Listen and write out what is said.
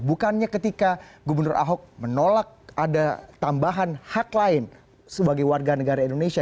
bukannya ketika gubernur ahok menolak ada tambahan hak lain sebagai warga negara indonesia